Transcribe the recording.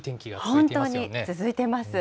本当に続いています。